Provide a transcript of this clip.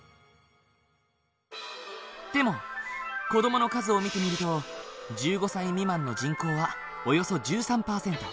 でも子どもの数を見てみると１５歳未満の人口はおよそ１３％。